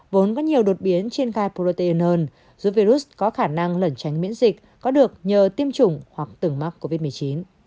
vốn có nhiều đột biến trên gai protein hơn giúp virus có khả năng lẩn tránh miễn dịch có được nhờ tiêm chủng hoặc từng mắc covid một mươi chín